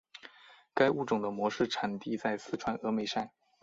该物种的模式产地在四川峨眉山。